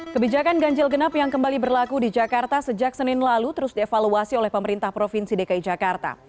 kebijakan ganjil genap yang kembali berlaku di jakarta sejak senin lalu terus dievaluasi oleh pemerintah provinsi dki jakarta